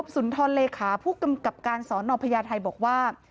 สุนทรเลขาผู้กำกับการสอนอพญาไทยบอกว่า